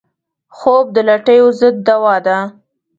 خوب د لټیو ضد دوا ده